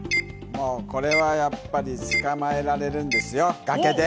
これはやっぱり捕まえられるんですよ、崖で！